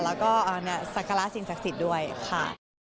แล้วก็สักการะสิ่งศักดิ์สิทธิ์ด้วยค่ะ